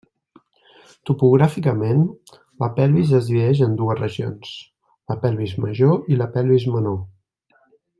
Topogràficament, la pelvis es divideix en dues regions: la pelvis major i la pelvis menor.